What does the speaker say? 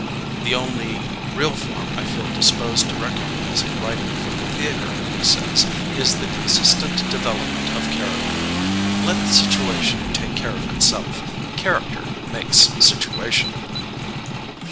*'The only real form I feel disposed to recognize in writing for the theatre," he says, "is the consistent development of character. Let situation take care of itself. Character makes situation."